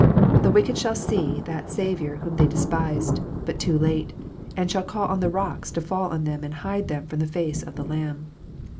The wicked shall see that Saviour whom they despised, but too late, and shall call on the rocks to fall on them and hide them from the face of the Lamb.